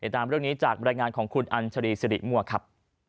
ตามเรื่องนี้จากบรรยายงานของคุณอัญชรีสิริมั่วครับ